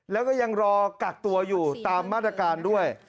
แล้วก็ยังรอกักตัวอยู่ตามมาตรการด้วย